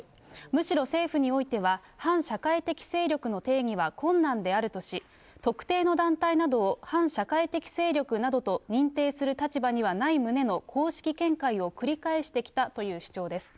むしろ政府においては、反社会的勢力の定義は困難であるとし、特定の団体などを反社会的勢力などと認定する立場にはない旨の公式見解を繰り返してきたという主張です。